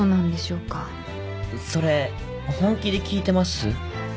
それ本気で聞いてます？